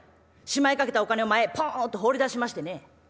しまいかけたお金を前へポンと放り出しましてね。